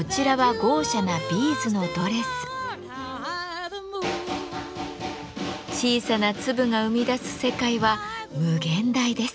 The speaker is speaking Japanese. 小さな粒が生み出す世界は無限大です。